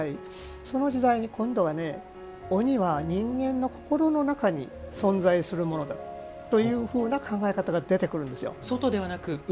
その時代に今度は鬼は人間の心の中に存在するものだという考え方が出てくるんですよ。